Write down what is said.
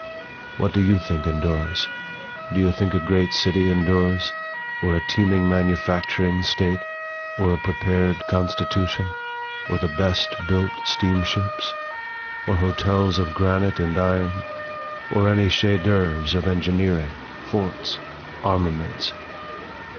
What do you think endures? Do you think a great city endures? Or a teeming manufacturing state? or a prepared constitution? or the best built steamships? Or hotels of granite and iron? or any chef dâÅuvres of engineering, forts, armaments?